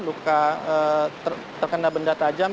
luka terkendal benda tajam